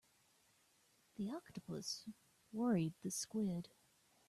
The octopus worried the squid.